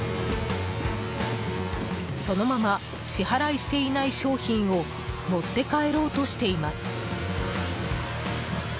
そのまま支払いしていない商品を持って帰ろうとしています。